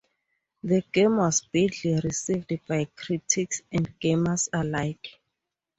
The game was badly received by critics and gamers alike.